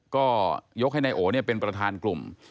ก็ยกให้นายโอเป็นประธานกลุ่ม